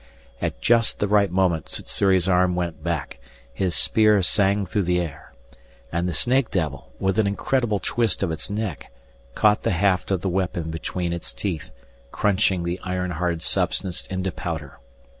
At just the right moment Sssuri's arm went back, his spear sang through the air. And the snake devil, with an incredible twist of its neck, caught the haft of the weapon between its teeth, crunching the iron hard substance into powder.